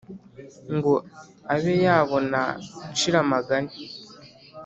ngo abe yabona nshira amaganya